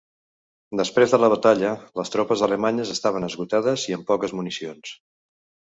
Després de la batalla, les tropes alemanyes estaven esgotades i amb poques municions.